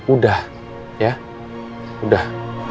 udah ya udah